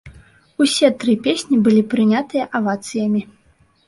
Усе тры песні былі прынятыя авацыямі.